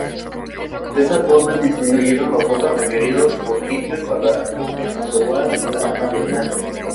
De esa forma disminuyeron los votos requeridos por Hitler para aprobar la Habilitante.